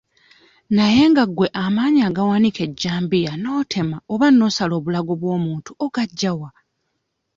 Naye nga gwe amaanyi agawanika ejjambiya n'otema oba n'osala obulago bw'omuntu ogaggya wa?